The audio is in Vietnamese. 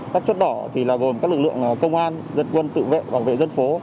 các chốt đỏ thì là gồm các lực lượng công an dân quân tự vệ bảo vệ dân phố